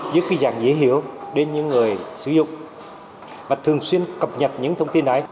dưới cái dạng dễ hiểu đến những người sử dụng và thường xuyên cập nhật những thông tin ấy